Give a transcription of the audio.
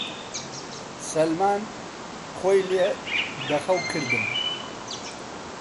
سەلمان! خۆی لێ دە خەو کردم